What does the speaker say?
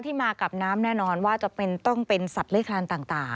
มากับน้ำแน่นอนว่าจะต้องเป็นสัตว์เลขคลานต่าง